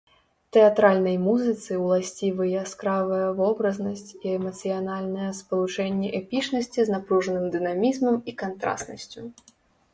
Тэатральнай музыцы ўласцівы яскравая вобразнасць і эмацыянальнае спалучэнне эпічнасці з напружаным дынамізмам і кантрастнасцю.